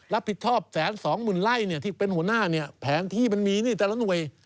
รับผิดชอบแสนสองหมื่นไล่ที่เป็นหัวหน้าแผนที่มันมีแต่ละหน่วย